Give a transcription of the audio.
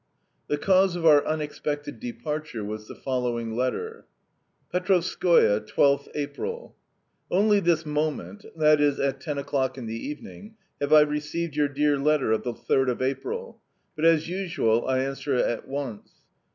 The cause of our unexpected departure was the following letter: "PETROVSKOE, 12th April. "Only this moment (i.e. at ten o'clock in the evening) have I received your dear letter of the 3rd of April, but as usual, I answer it at once.